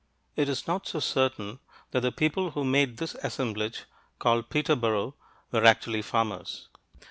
It is not so certain that the people who made this assemblage, called Peterborough, were actually farmers.